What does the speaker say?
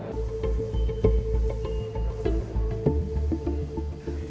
meski begitu penambangan bawah tanah menjadi tantangan besar bagi pt fi